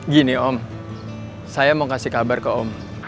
gini om saya mau kasih kabar ke om